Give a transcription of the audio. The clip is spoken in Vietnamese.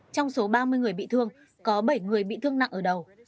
trong số ba mươi người bị thương có bảy người bị thương nặng ở đầu